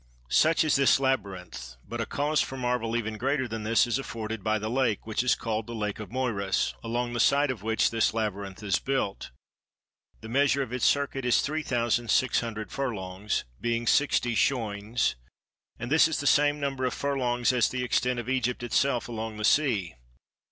Such is this labyrinth: but a cause for marvel even greater than this is afforded by the lake, which is called the lake of Moiris, along the side of which this labyrinth is built. The measure of its circuit is three thousand six hundred furlongs (being sixty schoines), and this is the same number of furlongs as the extent of Egypt itself along the sea.